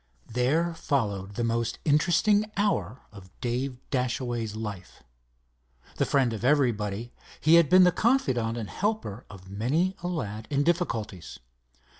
There followed the most interesting hour of Dave Dashaway's life. The friend of everybody, he had been the confidant and helper of many a lad in difficulties.